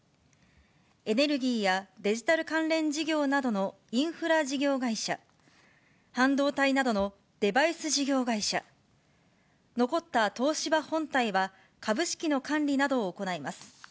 エネルギーやデジタル関連事業などのインフラ事業会社、半導体などのデバイス事業会社、残った東芝本体は、株式の管理などを行います。